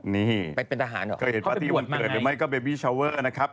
เคยเห็นปาร์ตี้วันเกิดหรือไม่ก็เบบีชาวเวอร์นะครับ